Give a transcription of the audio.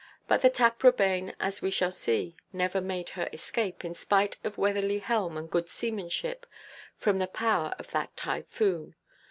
But the Taprobane, as we shall see, never made her escape, in spite of weatherly helm and good seamanship, from the power of that typhoon.